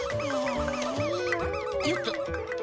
よっと！